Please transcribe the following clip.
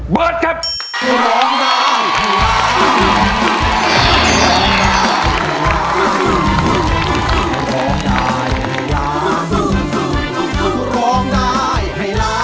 เบิร์ดครับ